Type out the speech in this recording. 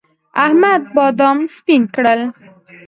احمد بادام سپين کړل.